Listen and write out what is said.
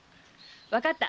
わかった！